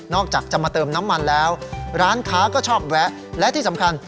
อกจากจะมาเติมน้ำมันแล้วร้านค้าก็ชอบแวะและที่สำคัญ